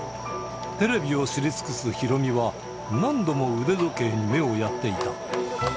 テレビを知り尽くすヒロミは、何度も腕時計に目をやっていた。